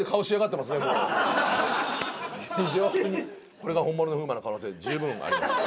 これが本物の風磨の可能性じゅうぶんあります。